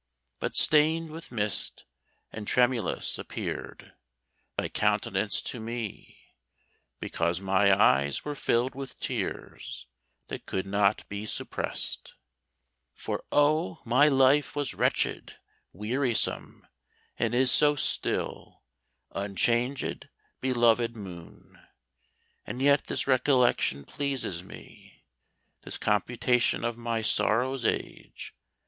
But stained with mist, and tremulous, appeared Thy countenance to me, because my eyes Were filled with tears, that could not be suppressed; For, oh, my life was wretched, wearisome, And is so still, unchanged, belovèd moon! And yet this recollection pleases me, This computation of my sorrow's age.